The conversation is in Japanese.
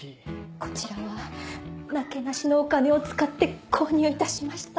こちらはなけなしのお金を使って購入いたしました。